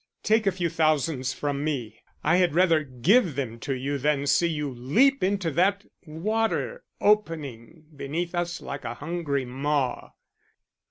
Take a few thousands from me I had rather give them to you than see you leap into that water opening beneath us like a hungry maw."